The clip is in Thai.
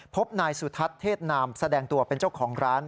พบนายสุทัศน์เทศนามแสดงตัวเป็นเจ้าของร้าน